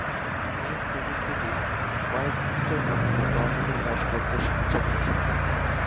এই প্রযুক্তিটি কয়েক মিনিটের মধ্যে বর্ণালী হ্রাস করতে সাহায্য করেছিল।